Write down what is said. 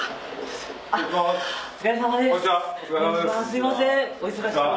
すいません